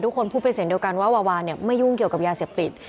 ทุกคนพูดเป็นเสียงเดียวกันว่าวาวาเนี่ยไม่ยุ่งเกี่ยวกับยาเสพติด